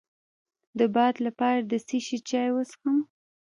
د باد لپاره د څه شي چای وڅښم؟